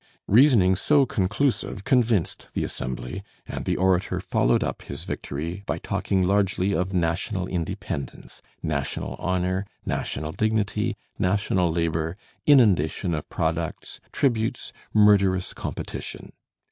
Reasoning so conclusive convinced the assembly, and the orator followed up his victory by talking largely of national independence, national honor, national dignity, national labor, inundation of products, tributes, murderous competition.